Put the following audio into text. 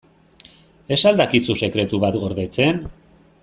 Ez al dakizu sekretu bat gordetzen?